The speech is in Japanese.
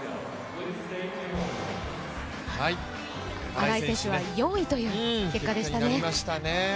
荒井選手は４位という結果でしたね。